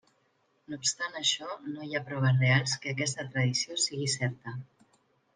No obstant això no hi ha proves reals que aquesta tradició sigui certa.